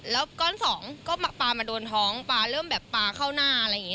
แล้วก้อนสองก็ปลามาโดนท้องปลาเริ่มแบบปลาเข้าหน้าอะไรอย่างนี้